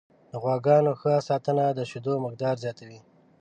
د غواګانو ښه ساتنه د شیدو مقدار زیاتوي.